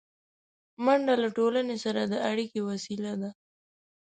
منډه له ټولنې سره د اړیکې وسیله ده